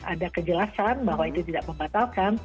ada kejelasan bahwa itu tidak membatalkan